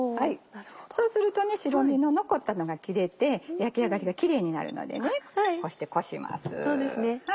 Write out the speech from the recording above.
そうすると白身の残ったのが切れて焼き上がりがキレイになるのでこうしてこします。